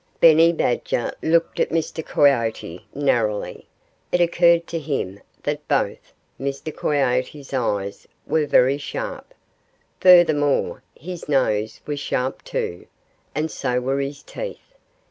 Benny Badger looked at Mr. Coyote narrowly. It occurred to him that both Mr. Coyote's eyes were very sharp. Furthermore, his nose was sharp, too. And so were his teeth.